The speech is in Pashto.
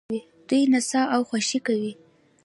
دوی نڅا او خوښي کوي.